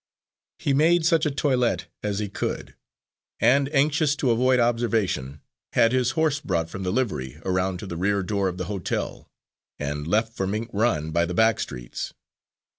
He made such a toilet as he could, and, anxious to avoid observation, had his horse brought from the livery around to the rear door of the hotel, and left for Mink Run by the back streets.